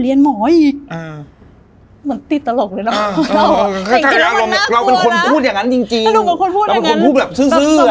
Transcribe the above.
เราเป็นคนพูดแบบซื้ออะ